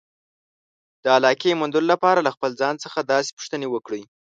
د علاقې موندلو لپاره له خپل ځان څخه داسې پوښتنې وکړئ.